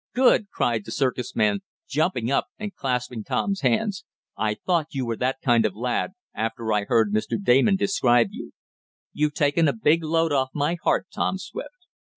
"Good!" cried the circus man, jumping up and clasping Tom's hand. "I thought you were that kind of a lad, after I heard Mr. Damon describe you. You've taken a big load off my heart, Tom Swift.